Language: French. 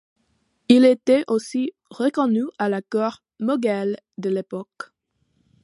Il était aussi reconnu à la cour moghole de l'époque.